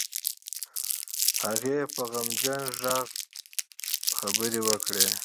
هغې په غمجن غږ خبرې وکړې.